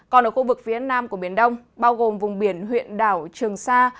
còn ở khu vực phía nam của biển đông bao gồm vùng biển huyện đảo trường sa